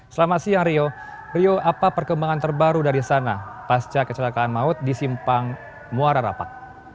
selamat siang rio rio apa perkembangan terbaru dari sana pasca kecelakaan maut di simpang muara rapat